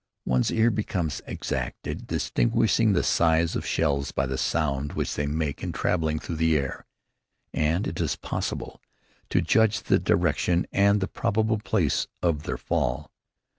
One's ear becomes exact in distinguishing the size of shells by the sound which they make in traveling through the air; and it is possible to judge the direction and the probable place of their fall.